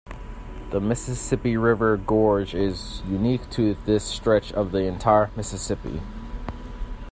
The Mississippi River Gorge is unique to this stretch of the entire Mississippi.